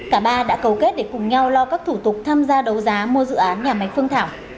cả ba đã cấu kết để cùng nhau lo các thủ tục tham gia đấu giá mua dự án nhà máy phương thảo